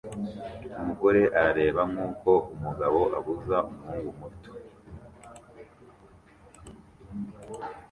Umugore arareba nkuko umugabo abuza umuhungu muto